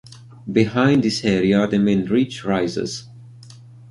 Behind this area, the main ridge rises.